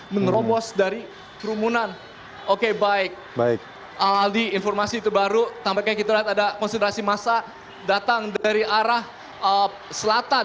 menerobos dari kerumunan oke baik baik al al di informasi terbaru sampai kita lihat ada konsentrasi masa datang dari arah selatan